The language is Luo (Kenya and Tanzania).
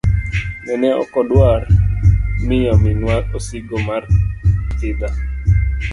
Nene ok adwar miyo minwa osigo mar pidha.